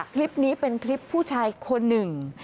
คลิปนี้เป็นคลิปผู้ชายคนหนึ่ง